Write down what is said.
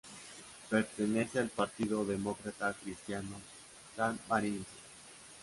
Pertenece al Partido Demócrata Cristiano Sanmarinense.